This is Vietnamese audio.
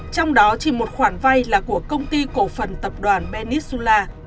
trong đó chỉ một khoản vay là của công ty cổ phần tập đoàn benisula